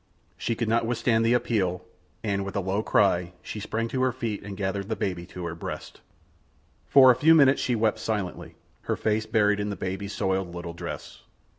She could not withstand the appeal, and with a low cry she sprang to her feet and gathered the baby to her breast. For a few minutes she wept silently, her face buried in the baby's soiled little dress.